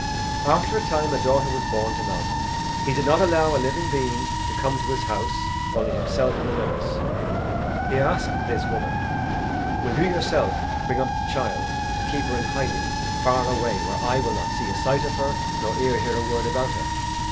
After a time a daughter was born to Malcolm. He did not allow a living being to come to his house, only himself and the nurse. He asked this woman, "Will you yourself bring up the child to keep her in hiding far away where eye will not see a sight of her nor ear hear a word about her?"